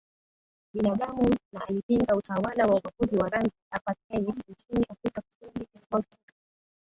binadamu na alipinga utawala wa ubaguzi wa rangi Aparthied nchini Afrika Kusini Desmond Tutu